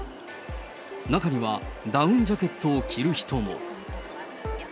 中にはダウンジャケットを着る人も。